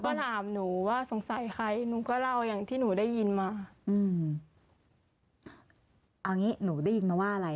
ก็ถามหนูว่าสงสัยใครหนูก็เล่าอย่างที่หนูได้ยินมาอืมเอางี้หนูได้ยินมาว่าอะไร